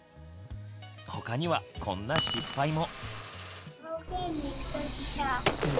他にはこんな失敗も。